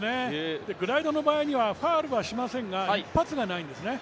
グライドの場合にはファウルはしませんが一発がないんですね。